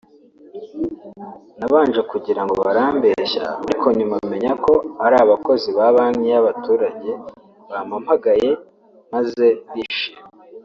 nabanje kugira ngo barambeshya ariko nyuma menya ko ari abakozi ba Banki y’Abaturage bampamagaye maze ndishima